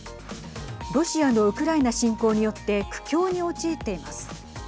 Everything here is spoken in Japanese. ロシアのウクライナ侵攻によって苦境に陥っています。